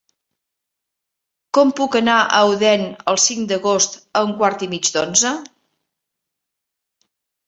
Com puc anar a Odèn el cinc d'agost a un quart i mig d'onze?